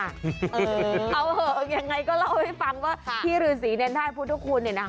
เอาเหอะยังไงก็เล่าให้ฟังว่าพี่หรือสีในท่าพุทธคุณ